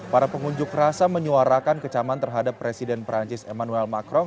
para pengunjuk rasa menyuarakan kecaman terhadap presiden perancis emmanuel macron